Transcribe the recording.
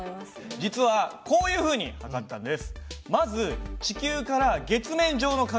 実はこういうふうに測ったんです。